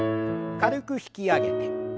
軽く引き上げて。